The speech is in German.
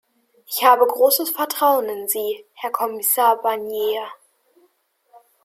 Ich habe großes Vertrauen in Sie, Herr Kommissar Barnier.